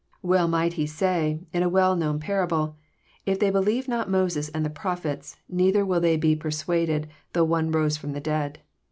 Well might He say, in a well known parable, "If they believe not Moses and the Prophets, neither will they be persuaded though one rose from the dead."